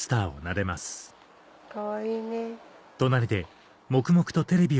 かわいいね。